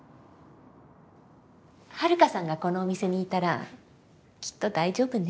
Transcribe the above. ハルカさんがこのお店にいたらきっと大丈夫ね。